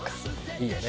いいよね